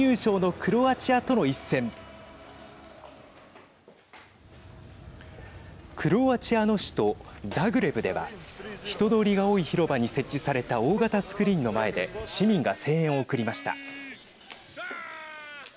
クロアチアの首都ザグレブでは人通りが多い広場に設置された大型スクリーンの前で市民が声援を送りました。